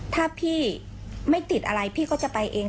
ถ้าพี่ไม่ติดอะไรพี่ก็จะไปเอง